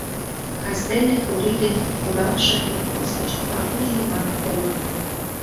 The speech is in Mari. Кастене Кори дек «Куралше» колхоз гыч Пагул Йыван толын.